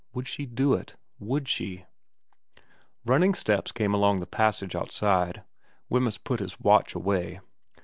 Would she do it ? Would she ? Running steps came along the passage outside. Wemyss put his watch away.